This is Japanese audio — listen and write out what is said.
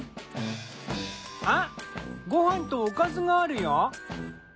あっごはんとおかずがあるよ。